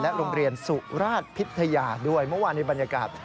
โรงเรียนสุราชพิทยาด้วยเมื่อวานในบรรยากาศ